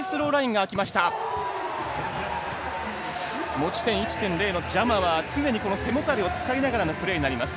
持ち点１．０のジャマは常に背もたれを使いながらのプレーになります。